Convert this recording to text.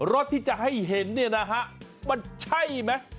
รสที่จะให้เห็นมันใช่มั้ย